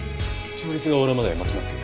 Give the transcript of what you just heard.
調律が終わるまで待ちます。